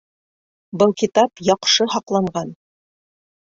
Был китап яҡшы һаҡланған